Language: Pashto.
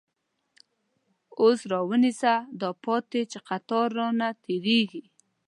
اوس راونیسه داپاتی، چی قطار رانه تير یږی